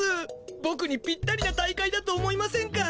ボクにぴったりな大会だと思いませんか？